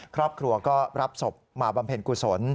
ครอบครัวก็รับศพมาบำเพ็ญกุศล